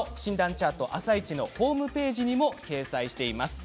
チャートは「あさイチ」のホームページでも掲載しています。